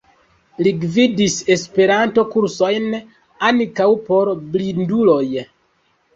Li gvidis Esperanto-kursojn, ankaŭ por blinduloj.